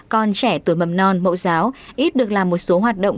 còn trẻ tuổi mầm non mẫu giáo ít được làm một số hoạt động